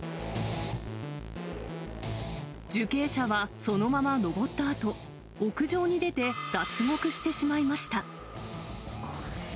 受刑者はそのまま登ったあと、屋上に出て脱獄してしまいました。